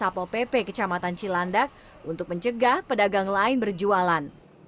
kepala ppp kecamatan cilandak untuk mencegah pedagang lain berjualan